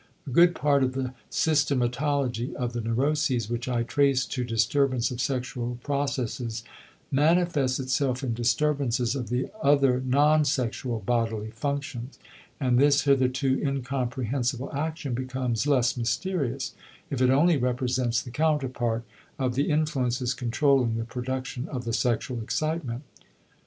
A good part of the symptomatology of the neuroses which I trace to disturbance of sexual processes manifests itself in disturbances of the other non sexual bodily functions, and this hitherto incomprehensible action becomes less mysterious if it only represents the counterpart of the influences controlling the production of the sexual excitement.